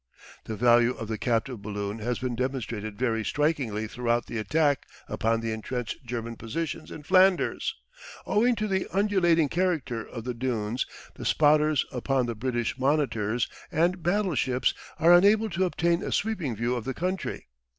The value of the captive balloon has been demonstrated very strikingly throughout the attack upon the entrenched German positions in Flanders. Owing to the undulating character of the dunes the "spotters" upon the British monitors and battle ships are unable to obtain a sweeping view of the country.